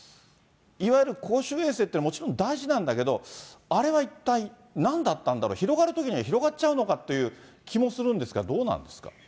いわゆる公衆衛生っていうのはもちろん大事なんだけど、あれはいったいなんだったんだろう、広がるときには広がっちゃうのかっていう気もするんですが、どうなんですか？